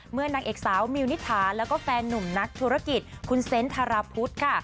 นางเอกสาวมิวนิถาแล้วก็แฟนนุ่มนักธุรกิจคุณเซนต์ธาราพุทธค่ะ